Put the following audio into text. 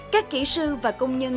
các kỹ sư và công nhân